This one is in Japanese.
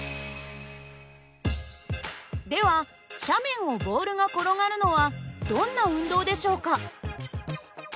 では斜面をボールが転がるのはどんな運動でしょうか？